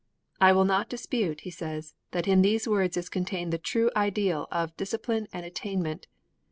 'I will not dispute,' he says, 'that in these words is contained the true ideal of discipline and attainment.